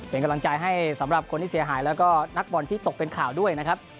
เป็นกำลังใจให้สำหรับคนที่เสียหายแล้วก็นักบอลที่ตกเป็นข่าวด้วยนะครับ